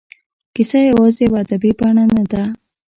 کیسه یوازې یوه ادبي بڼه نه ده.